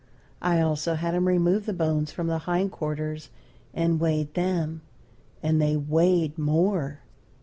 I also had him remove the bones from the hind quarters and weighed them, and they weighed more.